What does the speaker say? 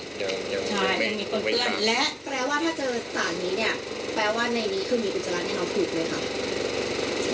และแปลว่าถ้าเจอสัตว์นี้เนี่ยแปลว่าในนี้คือมีอุจจาระเนี่ยเนาะถูกเลยครับ